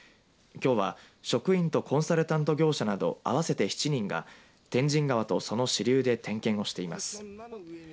きょうは職員とコンサルタント業者など合わせて７人が天神川とその支流で点検をしています。